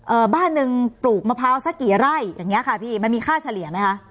บ้านหนึ่งปลูกมะพร้าวสักกี่ไร่อย่างเงี้ค่ะพี่มันมีค่าเฉลี่ยไหมคะ